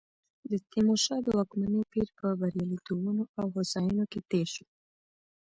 د تیمورشاه د واکمنۍ پیر په بریالیتوبونو او هوساینو کې تېر شو.